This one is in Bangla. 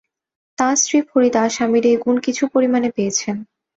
তাঁর স্ত্রী ফরিদা স্বামীর এই গুণ কিছু পরিমাণে পেয়েছেন।